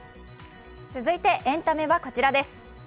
続いてエンタメはこちらです。